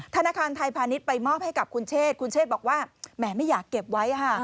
ธนาคารไทยพาณิชย์ไปมอบให้กับคุณเชษคุณเชษบอกว่าแหมไม่อยากเก็บไว้ค่ะ